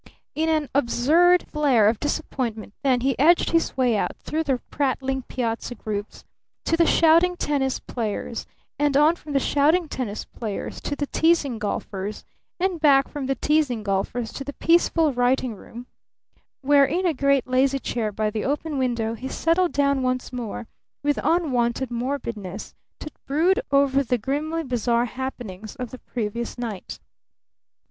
In an absurd flare of disappointment then, he edged his way out through the prattling piazza groups to the shouting tennis players, and on from the shouting tennis players to the teasing golfers, and back from the teasing golfers to the peaceful writing room, where in a great, lazy chair by the open window he settled down once more with unwonted morbidness to brood over the grimly bizarre happenings of the previous night.